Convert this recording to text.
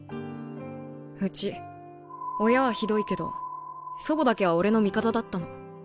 うち親はひどいけど祖母だけは俺の味方だったの。